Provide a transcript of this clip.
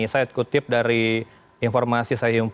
saya kutip dari informasi saya himpun